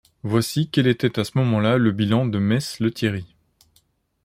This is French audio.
Voici quel était à ce moment-là le bilan de mess Lethierry.